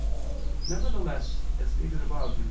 Nevertheless, as stated above (Q.